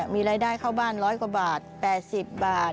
มีรายได้เข้าบ้าน๑๐๐กว่าบาท๘๐บาท